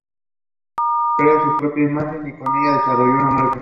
Creó su propia imagen y con ella desarrolló una marca.